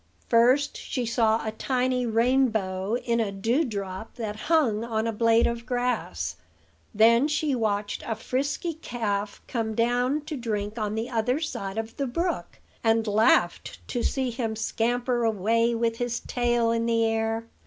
First she saw a tiny rainbow in a dewdrop that hung on a blade of grass; then she watched a frisky calf come down to drink on the other side of the brook, and laughed to see him scamper away with his tail in the air.